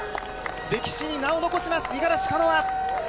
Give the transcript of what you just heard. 歴史に名を残します、五十嵐カノア。